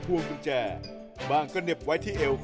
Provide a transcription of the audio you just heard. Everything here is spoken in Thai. คิกคิกคิกคิกคิกคิกคิกคิก